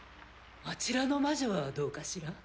あちらの魔女はどうかしら？